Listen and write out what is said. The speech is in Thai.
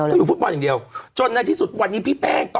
อันคารที่ผ่านมานี่เองไม่กี่วันนี่เอง